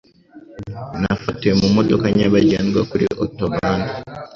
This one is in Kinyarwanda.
Nafatiwe mu modoka nyabagendwa kuri Autobahn